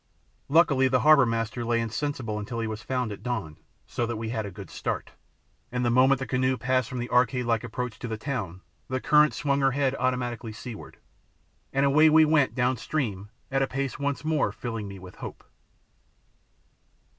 Luckily the harbour master lay insensible until he was found at dawn, so that we had a good start, and the moment the canoe passed from the arcade like approach to the town the current swung her head automatically seaward, and away we went down stream at a pace once more filling me with hope.